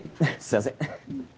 すいません。